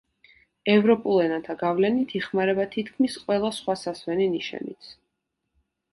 ევროპულ ენათა გავლენით იხმარება თითქმის ყველა სხვა სასვენი ნიშანიც.